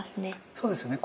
そうですよね。